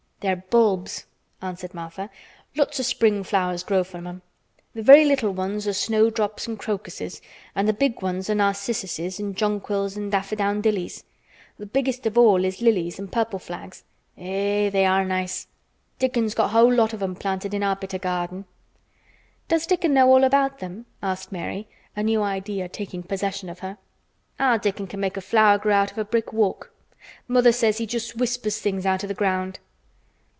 "They're bulbs," answered Martha. "Lots o' spring flowers grow from 'em. Th' very little ones are snowdrops an' crocuses an' th' big ones are narcissuses an' jonquils and daffydowndillys. Th' biggest of all is lilies an' purple flags. Eh! they are nice. Dickon's got a whole lot of 'em planted in our bit o' garden." "Does Dickon know all about them?" asked Mary, a new idea taking possession of her. "Our Dickon can make a flower grow out of a brick walk. Mother says he just whispers things out o' th' ground."